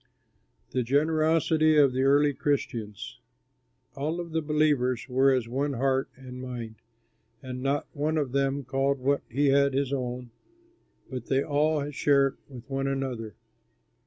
THE GENEROSITY OF THE EARLY CHRISTIANS All of the believers were as one in heart and mind; and not one of them called what he had his own, but they all shared with one another.